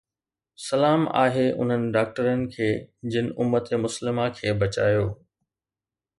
سلام آهي انهن ڊاڪٽرن کي جن امت مسلمه کي بچايو